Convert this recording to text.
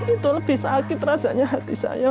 itu lebih sakit rasanya hati saya